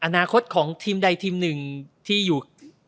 อนาคตของทีมใดทีมหนึ่งที่อยู่